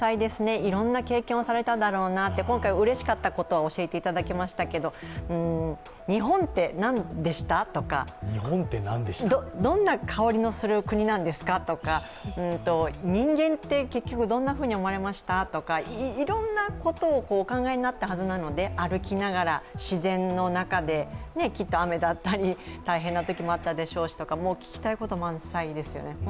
いろんな経験をされただろうなと、今回うれしかったことは教えていただきましたけど、日本って何でした？とかどんな香りのする国なんですかとか、人間って、結局どんなふうに思われました、とかいろんなことをお考えになったはずなので、歩きながら、自然の中で、きっと雨だったり大変なことはあったと思いますが、聞きたいこと満載ですよね。